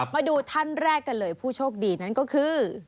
มาดูท่านแรกกันเลยผู้โชคดีนั่นก็คือ